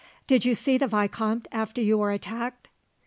"Did you see the vicomte, after you were attacked?"